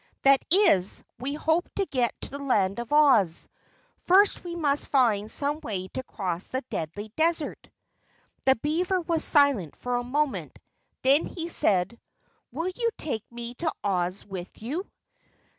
"That is, we hope to get to the Land of Oz. First we must find some way to cross the Deadly Desert." The beaver was silent for a moment, then he said: "Will you take me to Oz with you?"